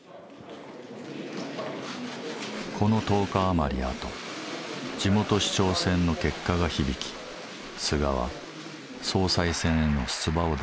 この１０日余りあと地元市長選の結果が響き菅は総裁選への出馬を断念。